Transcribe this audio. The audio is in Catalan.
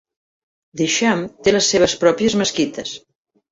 The Cham té les seves pròpies mesquites.